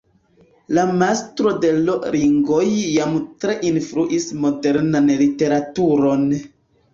La Mastro de l' Ringoj jam tre influis modernan literaturon.